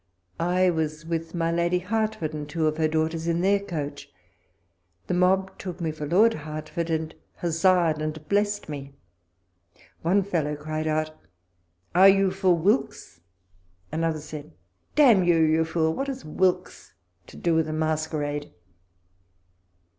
I was with my Lady 150 walpole's letters. Hertford and two of her daughters, in their coacii : the mob took me for Lord Hertford, and huzzaed and blessed me ! One fellow cried out, " Are you for Wilkes I " another said, " D — n you, you fool, what has Wilkes to do with a Mas querade